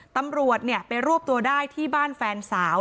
ตำรวจไปรวบตัวได้ที่บ้านแฟนสาว